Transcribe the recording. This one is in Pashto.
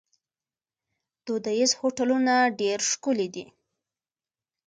دودیز هوټلونه ډیر ښکلي دي.